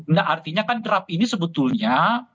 nah artinya kan draft ini sebetulnya